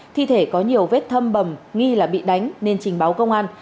thi thể có nhiều vết thâm bầm nghi là bị đánh nên trình báo công an